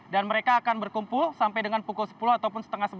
dan mereka akan berkumpul sampai dengan pukul sepuluh ataupun setengah sebelas